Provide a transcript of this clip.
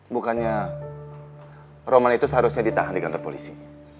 bukannya roman itu seharusnya ditahan di kantor polisi